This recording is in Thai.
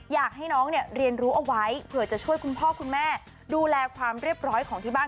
อยากให้น้องเนี่ยเรียนรู้เอาไว้เผื่อจะช่วยคุณพ่อคุณแม่ดูแลความเรียบร้อยของที่บ้าน